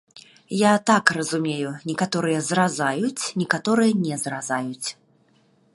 Я так разумею, некаторыя зразаюць, некаторыя не зразаюць.